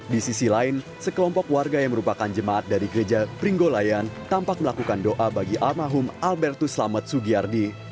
di sisi lain sekelompok warga yang merupakan jemaat dari gereja pringgolayan tampak melakukan doa bagi almarhum albertus selamat sugiyardi